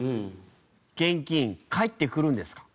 現金返ってくるんですか？